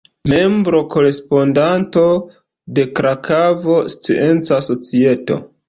Membro-korespondanto de Krakova Scienca Societo.